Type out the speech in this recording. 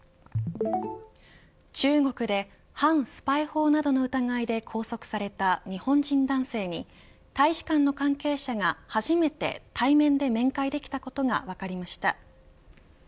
中国で、反スパイ法などの疑いで拘束された日本人男性に大使館の関係者が初めて対面で面会できたことが分かりました。